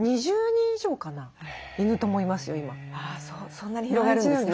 そんなに広がるんですね。